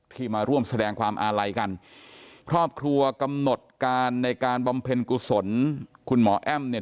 มาร่วมแสดงความอาลัยกันครอบครัวกำหนดการในการบำเพ็ญกุศลคุณหมอแอ้มเนี่ย